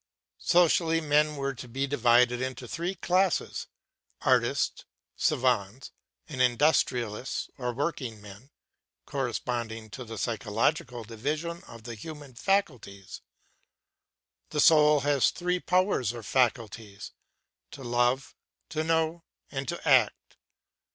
Socially men were to be divided into three classes, artists, savans, and industrials or working men, corresponding to the psychological division of the human faculties. The soul has three powers or faculties, to love, to know, and to act.